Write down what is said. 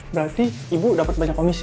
berarti ibu dapat banyak komisi